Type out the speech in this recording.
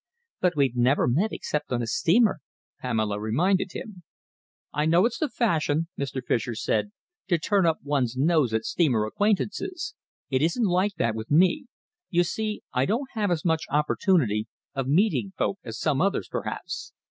"But we've never met except on a steamer," Pamela reminded him. "I know it's the fashion," Mr. Fischer said, "to turn up one's nose at steamer acquaintances. It isn't like that with me. You see, I don't have as much opportunity of meeting folk as some others, perhaps.